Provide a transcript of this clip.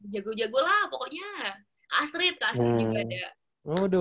jago jago lah pokoknya kak astrid juga ada